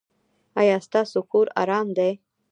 ایا ستاسو کور ارام دی؟